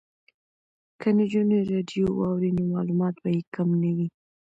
که نجونې راډیو واوري نو معلومات به یې کم نه وي.